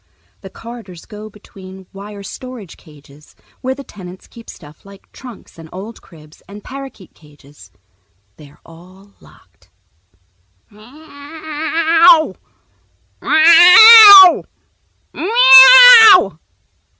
The corridors go between wire storage cages, where the tenants keep stuff like trunks and old cribs and parakeet cages. They're all locked. "Me ow, meow, me ow!"